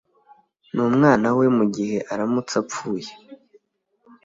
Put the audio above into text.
n’umwana we mu gihe aramutse apfuye.